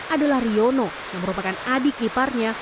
adalah riono yang merupakan adik iparnya